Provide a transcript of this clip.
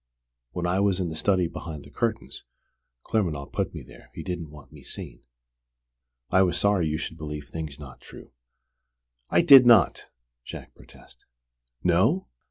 When I was in the study behind the curtains Claremanagh put me there: he didn't want me seen I was sorry you should believe things not true." "I did not!" Jack protested. "No?